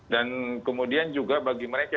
dan kemudian juga bagi mereka